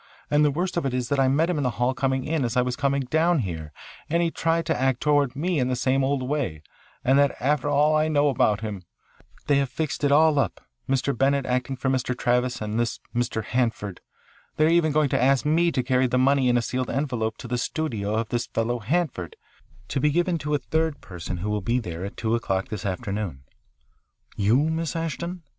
And the worst of it is that I met him in the hall coming in as I was coming down here, and he tried to act toward me in the same old way and that after all I know now about him. They have fixed it all up, Mr. Bennett acting for Mr. Travis, and this Mr. Hanford. They are even going to ask me to carry the money in a sealed envelope to the studio of this fellow Hanford, to be given to a third person who will be there at two o'clock this afternoon." "You, Miss Ashton?"